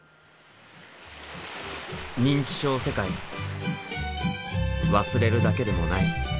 認知症世界忘れるだけでもない。